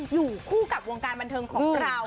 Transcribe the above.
อยู่คู่กับวงการบันเทิงของเรา